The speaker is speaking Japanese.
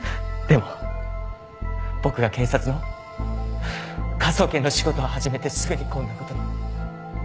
でも僕が警察の科捜研の仕事を始めてすぐにこんな事に。